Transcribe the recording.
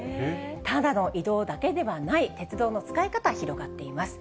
ただの移動だけではない鉄道の使い方、広がっています。